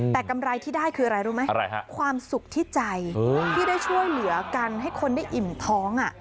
แต่กำไรที่ได้คืออะไรรู้ไหมความสุขที่ใจที่ได้ช่วยเหลือกันให้คนได้อิ่มท้อง